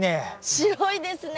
白いですね。